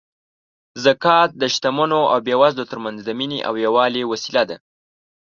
زکات د شتمنو او بېوزلو ترمنځ د مینې او یووالي وسیله ده.